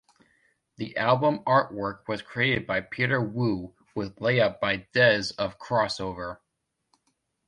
The album artwork was created by Peter Wu with layout by Dez of Crossover.